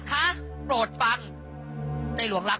ขอบคุณครับ